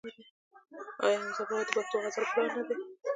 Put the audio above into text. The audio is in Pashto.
آیا حمزه بابا د پښتو غزل پلار نه دی؟